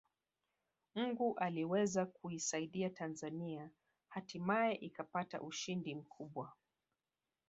Mungu aliweza kuisaidia Tanzania hatimaye ikapata ushindi mkubwa